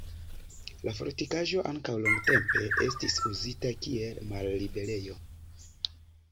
La fortikaĵo ankaŭ longtempe estis uzita kiel malliberejo.